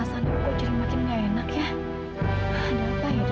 sampai jumpa di video selanjutnya